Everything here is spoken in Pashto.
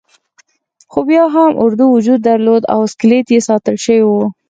خو بیا هم اردو وجود درلود او اسکلیت یې ساتل شوی وو.